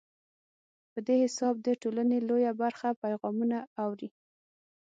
په دې حساب د ټولنې لویه برخه پیغامونه اوري.